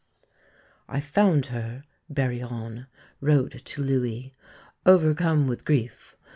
"I found her," Barillon wrote to Louis, "overcome with grief.